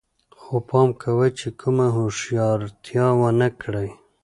خو پام کوئ چې کومه هوښیارتیا ونه کړئ